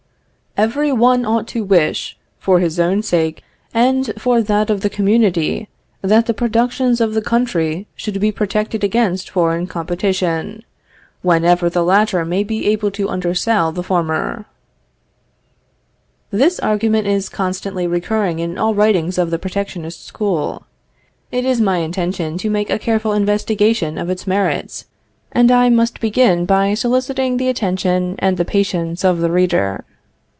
] "Every one ought to wish, for his own sake and for that of the community, that the productions of the country should be protected against foreign competition, whenever the latter may be able to undersell the former." [Footnote 10: Mathieu de Dombasle.] This argument is constantly recurring in all writings of the protectionist school. It is my intention to make a careful investigation of its merits, and I must begin by soliciting the attention and the patience of the reader.